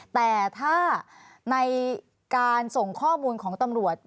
แต่ถ้าในการส่งข้อมูลของตำรวจ